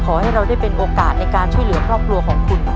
ขอให้เราได้เป็นโอกาสในการช่วยเหลือครอบครัวของคุณ